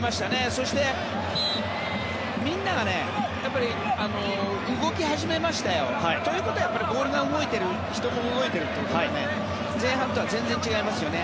そして、みんなが動き始めましたよ。ということはボールが動いている人も動いているということだから前半とは全然違いますよね。